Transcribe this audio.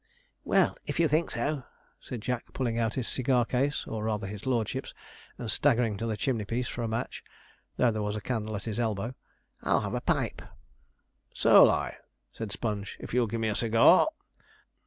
'Well, if you think so,' said Jack, pulling out his cigar case, or rather his lordship's, and staggering to the chimney piece for a match, though there was a candle at his elbow, 'I'll have a pipe.' 'So'll I,' said Sponge, 'if you'll give me a cigar.'